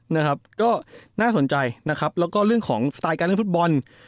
นะครับก็น่าสนใจนะครับแล้วก็เรื่องของสไตล์การเล่นฟุตบอล